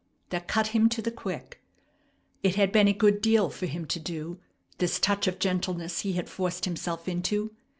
that cut him to the quick. It had been a good deal for him to do, this touch of gentleness he had forced himself into.